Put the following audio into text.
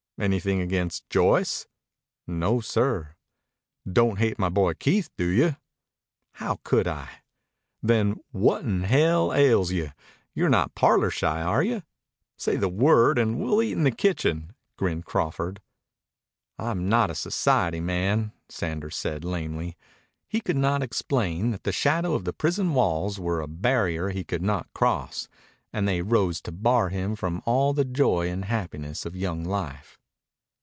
"Anything against Joyce?" "No, sir." "Don't hate my boy Keith, do you?" "How could I?" "Then what in hell ails you? You're not parlor shy, are you? Say the word, and we'll eat in the kitchen," grinned Crawford. "I'm not a society man," said Sanders lamely. He could not explain that the shadow of the prison walls was a barrier he could not cross; that they rose to bar him from all the joy and happiness of young life.